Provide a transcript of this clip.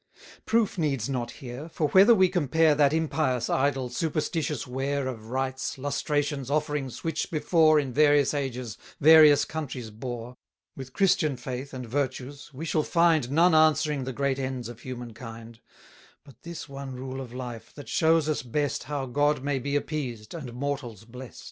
Proof needs not here, for whether we compare That impious, idle, superstitious ware Of rites, lustrations, offerings, which before, In various ages, various countries bore, With Christian faith and virtues, we shall find 130 None answering the great ends of human kind, But this one rule of life, that shows us best How God may be appeased, and mortals blest.